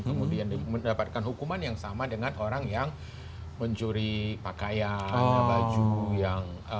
kemudian mendapatkan hukuman yang sama dengan orang yang mencuri pakaian baju yang